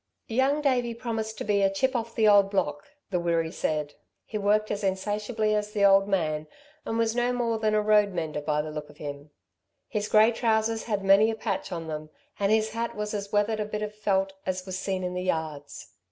Young Davey promised to be a chip of the old block, the Wirree said. He worked as insatiably as the old man, and was no more than a roadmender by the look of him. His grey trousers had many a patch on them, and his hat was as weathered a bit of felt as was seen in the yards.